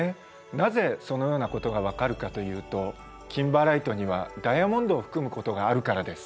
なぜそのようなことが分かるかというとキンバーライトにはダイヤモンドを含むことがあるからです。